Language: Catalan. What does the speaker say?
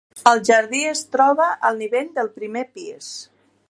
El jardí es troba al nivell del primer pis.